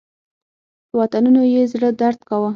په وطنونو یې زړه درد کاوه.